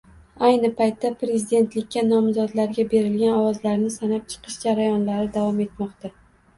Ayni paytda prezidentlikka nomzodlarga berilgan ovozlarni sanab chiqish jarayonlari davom etmoqda